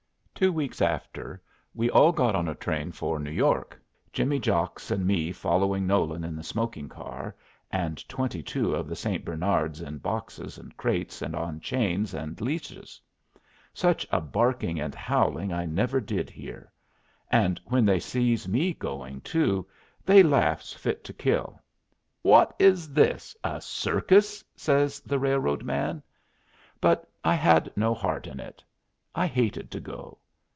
Two weeks after we all got on a train for New York, Jimmy Jocks and me following Nolan in the smoking car, and twenty two of the St. Bernards in boxes and crates and on chains and leashes. Such a barking and howling I never did hear; and when they sees me going, too, they laughs fit to kill. "Wot is this a circus?" says the railroad man. But I had no heart in it. I hated to go.